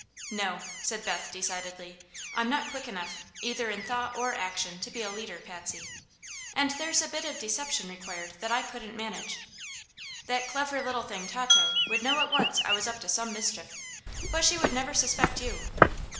"No," said Beth, decidedly; "I'm not quick enough, either in thought or action, to be a leader, Patsy. And there's a bit of deception required that I couldn't manage. That clever little thing, Tato, would know at once I was up to some mischief; but she would never suspect you."